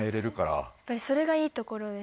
やっぱりそれがいいところですよね。